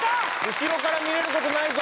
後ろから見れることないぞ。